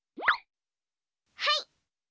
はい！